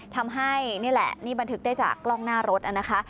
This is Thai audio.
ทำให้นี่แหละนี่บันทึกได้จากกล้องหน้ารถนะคะ